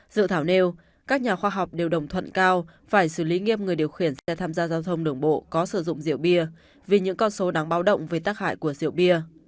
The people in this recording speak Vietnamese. dự thảo nêu các nhà khoa học đều đồng thuận cao phải xử lý nghiêm người điều khiển xe tham gia giao thông đường bộ có sử dụng rượu bia vì những con số đáng báo động về tác hại của rượu bia